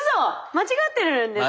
間違ってるんですか？